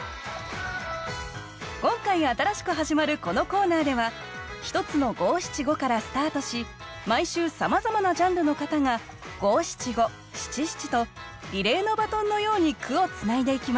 今回新しく始まるこのコーナーでは１つの５７５からスタートし毎週さまざまなジャンルの方が５７５７７とリレーのバトンのように句をつないでいきます。